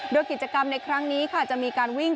โดยกิจกรรมในครั้งนี้ค่ะจะมีการวิ่ง